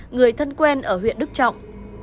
người thân quen ở huyện đức trọng